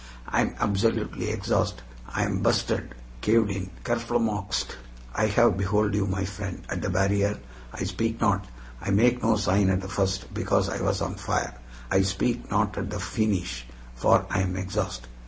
"I am absolutely exhaust. I am bursted, caved in, kerflummoxed. I have behold you, my friend, at the barrier. I speak not, I make no sign at the first, because I was on fire; I speak not at the feenish for I am exhaust."